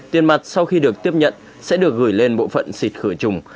tiền mặt sau khi được tiếp nhận sẽ được gửi lên bộ phận xịt khử trùng